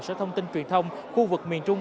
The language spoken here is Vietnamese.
sở thông tin truyền thông khu vực miền trung